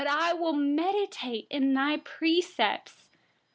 I will meditate on your precepts.